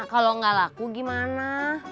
kalau gak laku gimana